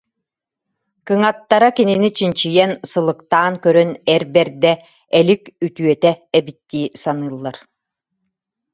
Кыҥаттара кинини чинчийэн, сылыктаан көрөн эр бэрдэ, элик үтүөтэ эбит дии саныыллар